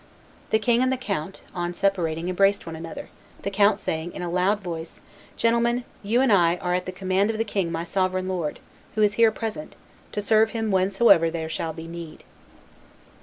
The king and the count, on separating, embraced one another, the count saying in a loud voice, "Gentlemen, you and I are at the command of the king my sovereign lord, who is here present, to serve him whensoever there shall be need."